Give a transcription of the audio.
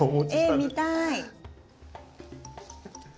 え見たい！